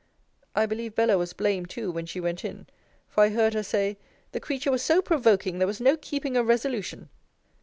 I believe Bella was blamed, too, when she went in; for I heard her say, the creature was so provoking, there was no keeping a resolution.